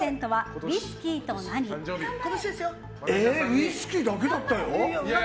ウイスキーだけだったよ？